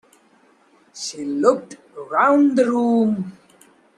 She looked round the room.